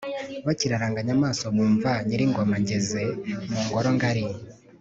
bakiraranganya amaso, bumva nyiringoma ngeze mu ngorongari